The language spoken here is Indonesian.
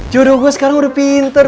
jodoh gue sekarang udah pinter